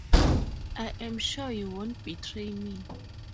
I am sure you won't betray me.